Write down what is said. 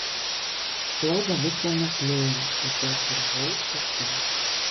Ложа выслана глеем, уздоўж берагоў пяском.